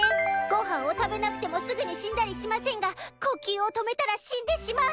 ご飯を食べなくてもすぐに死んだりしませんが呼吸を止めたら死んでしまうのでぃす。